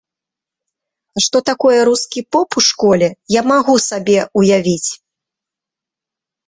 А што такое рускі поп у школе, я магу сабе ўявіць.